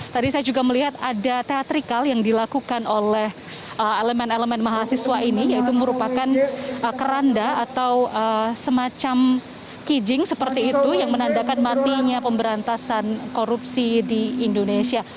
tadi saya juga melihat ada teatrikal yang dilakukan oleh elemen elemen mahasiswa ini yaitu merupakan keranda atau semacam kijing seperti itu yang menandakan matinya pemberantasan korupsi di indonesia